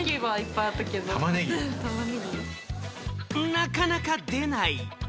なかなか出ない。